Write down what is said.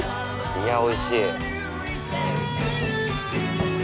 いや、おいしい。